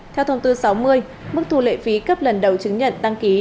theo thông tư sáu mươi mức thu lệ phí cấp lần đầu chứng nhận đăng ký